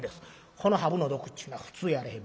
「このハブの毒っちゅうのは普通やあれへん。